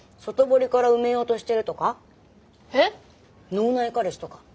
脳内彼氏とか。